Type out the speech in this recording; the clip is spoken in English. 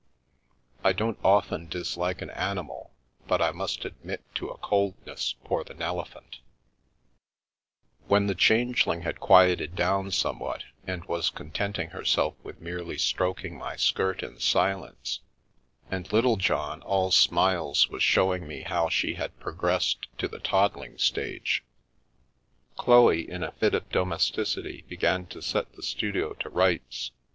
I don't often dislike an animal, but I must admit to a coldness for the Nele phant When the Changeling had quieted down somewhat, and was contenting herself with merely stroking my skirt in silence, and Littlejohn, all smiles, was showing me how she had progressed to the toddling stage, Chloe, in a fit of domesticity, began to set the studio to rights.